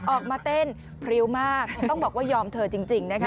ออกมาเต้นพริ้วมากต้องบอกว่ายอมเธอจริงนะคะ